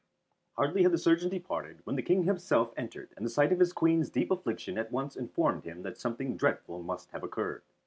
Hardly had the surgeon departed, when the King himself entered, and the sight of his Queen's deep affliction at once informed him that something dreadful must have occurred.